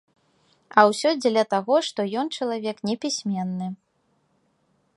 А ўсё дзеля таго, што ён чалавек непісьменны.